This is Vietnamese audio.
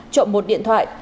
trộm một điện thoại